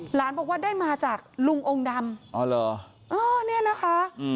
หลานบอกว่าได้มาจากลุงองค์ดำนี่นะคะ